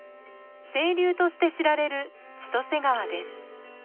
清流として知られる千歳川です。